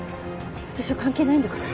私は関係ないんだから。